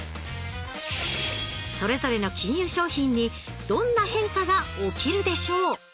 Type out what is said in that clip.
それぞれの金融商品にどんな変化が起きるでしょう？